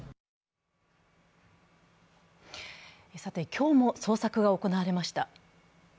今日も捜索が行われました。